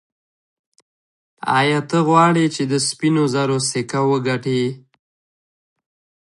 ایا ته غواړې چې د سپینو زرو سکه وګټې.